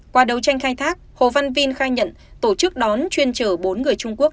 qua đấu tranh khai thác hồ văn vinh khai nhận tổ chức đón chuyên trở bốn người trung quốc